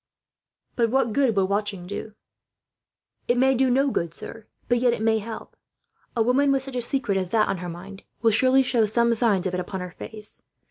"But what good will watching do?" "It may do no good, sir, but yet it may help. A woman, with such a secret as that on her mind, will surely show some signs of it upon her face.